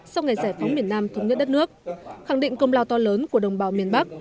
sau ngày giải phóng miền nam thống nhất đất nước khẳng định công lao to lớn của đồng bào miền bắc